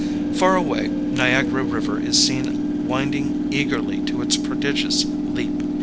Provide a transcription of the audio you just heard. Far away, Niagara River is seen winding eagerly to its prodigious leap.